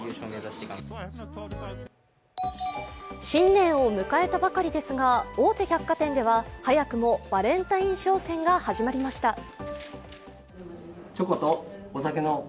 新年を迎えたばかりですが、大手百貨店では早くもバレンタイン商戦が始まりました。